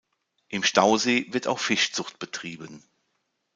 Im Stausee wird auch Fischzucht betrieben.